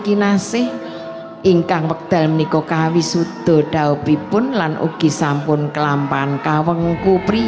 kinasih ingkan pekedal menikok kawis udo dao bibun lanuki sampun kelampan kawangku prio